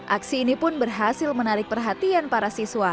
aksi ini pun berhasil menarik perhatian para siswa